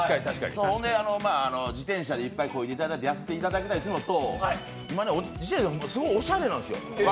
ほんで、自転車でいっぱいこいでいただいて、痩せていただきたいのと今、自転車、すごいおしゃれなんですよ。